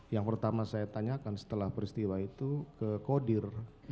yang pertama saya tanyakan setelah peristiwa itu ke kodir